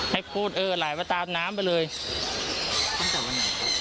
ให้พูดเออไหลไปตามน้ำไปเลยตั้งแต่วันไหนครับ